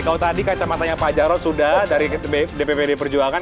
kalau tadi kacamatanya pak jarod sudah dari dppd perjuangan